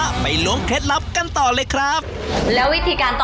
กำลังใส่ในกาลมัง